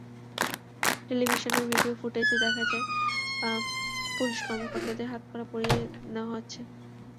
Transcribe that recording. টেলিভিশনের ভিডিও ফুটেজে দেখা যায়, পুলিশ কর্মকর্তাদের হাতকড়া পরিয়ে নেওয়া হচ্ছে।